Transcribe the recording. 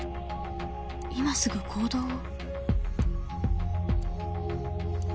今すぐ行動を？